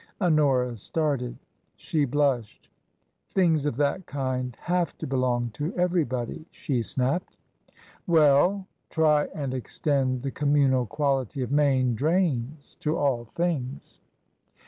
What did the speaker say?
Honora started. She blushed. " Things of that kind Jiave to belong to everybody," she snapped. "Well! Try and extend the communal quality of Main Drains to all things."